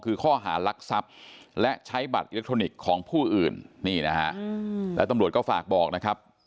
คือข้อหารักทรัพย์และใช้บัตรอิเล็กทรอนิกส์ของผู้อื่นนี่นะฮะแล้วตำรวจก็ฝากบอกนะครับ